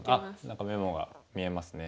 何かメモが見えますね。